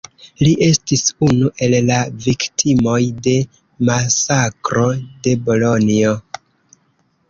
Li estis unu el la viktimoj de masakro de Bolonjo.